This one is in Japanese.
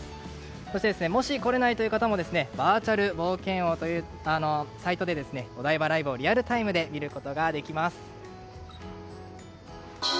そして、もし来れないという方もバーチャル冒険王というサイトでお台場ライブをリアルタイムで見ることができます。